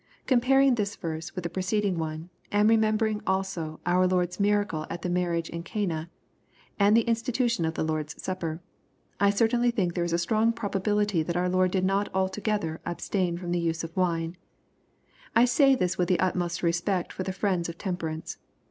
Comparing this verse with the preceding one, and remember ing, also, our Lord's miracle at the marriage in Cana, and the In stitution of the Lord's Supper, I certainly think there is a strong probability that our Lord aid not altogether abstain from the use of wine. I say this with the utmost respect for the friends of temperance.